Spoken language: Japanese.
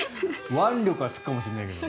腕力はつくかもしれないけど。